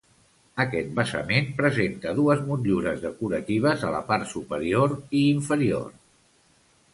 Aquest basament presenta dues motllures decoratives a la part superior i inferior.